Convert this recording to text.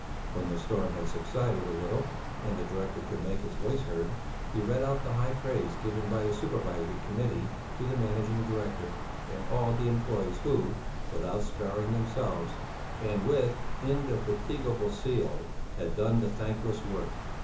When the storm had subsided a little and the director could make his voice heard, he read out the high praise given by the Supervisory Committee to the Managing Director and all the employés who, without sparing themselves, and with indefatigable zeal, had done the thankless work.